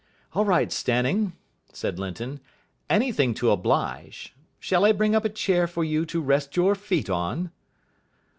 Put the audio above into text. "All right, Stanning," said Linton. "Anything to oblige. Shall I bring up a chair for you to rest your feet on?"